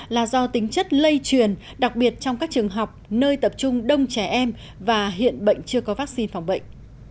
là do tính chất lây truyền đặc biệt trong các trường học nơi tập trung đông trẻ em và hiện bệnh chưa có vaccine phòng bệnh